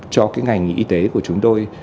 cho cái ngành y tế của chúng tôi